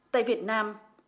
tây việt nam